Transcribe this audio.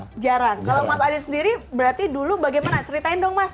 kalau mas adit sendiri berarti dulu bagaimana ceritain dong mas